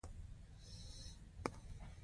حواله سیستم د پیسو لیږد اسانه کوي